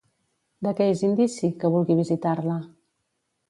De què és indici, que vulgui visitar-la?